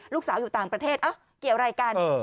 ลูกสาวอยู่ต่างประเทศเอ้าเกี่ยวอะไรกัน